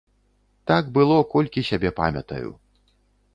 Так было, колькі сябе памятаю.